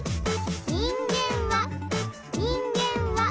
「人間は人間は」